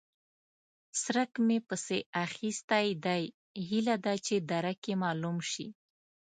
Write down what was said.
څرک مې پسې اخيستی دی؛ هيله ده چې درک يې مالوم شي.